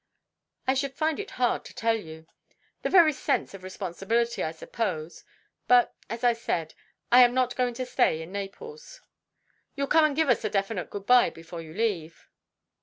"I should find it hard to tell you. The very sense of responsibility, I suppose. But, as I said, I am not going to stay in Naples." "You'll come and give us a 'definite good bye' before you leave?"